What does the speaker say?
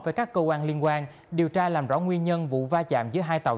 với các cơ quan liên quan điều tra làm rõ nguyên nhân vụ va chạm giữa hai tàu